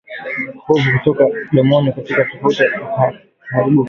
Povu kutoka mdomoni katika hatua ya kukaribia kifo